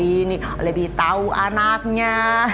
ini lebih tahu anaknya